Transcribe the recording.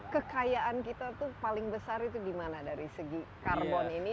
kekayaan kita itu paling besar itu di mana dari segi karbon ini